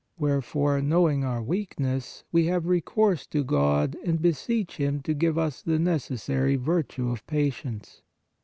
Wherefore, knowing our weakness, we CONDITIONS OF PRAYER 55 have recourse to God and beseech Him to give us the necessary virtue of patience.